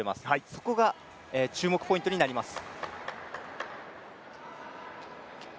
そこが注目ポイントになります。